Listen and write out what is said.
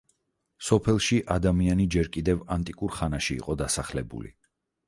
სოფელში ადამიანი ჯერ კიდევ ანტიკურ ხანაში იყო დასახლებული.